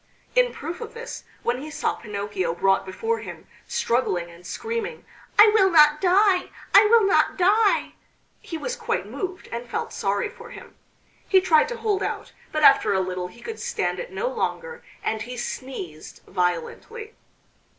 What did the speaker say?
In proof of this, when he saw Pinocchio brought before him, struggling and screaming "I will not die, I will not die!" he was quite moved and felt sorry for him. He tried to hold out, but after a little he could stand it no longer and he sneezed violently.